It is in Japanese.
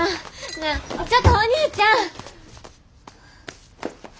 なあちょっとお兄ちゃん！